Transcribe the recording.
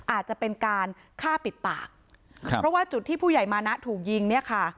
อาจจะเป็นการฆ่าปิดปากครับเพราะว่าจุดที่ผู้ใหญ่มานะถูกยิงเนี่ยค่ะ